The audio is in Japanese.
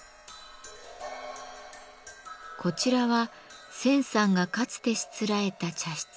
こちらは千さんがかつてしつらえた茶室「重窓」。